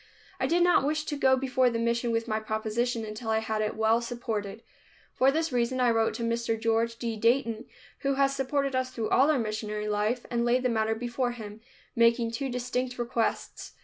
I did not wish to go before the mission with my proposition until I had it well supported. For this reason I wrote to Mr. George D. Dayton who has supported us through all our missionary life, and laid the matter before him, making two distinct requests.